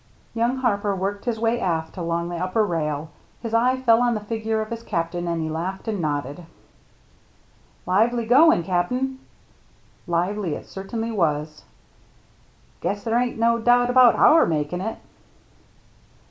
Young Harper worked his way aft along the upper rail. His eye fell on the figure of his captain, and he laughed and nodded. " Lively goin', Cap'n." Lively it certainly was. " Guess there ain't no doubt about our makin' it!"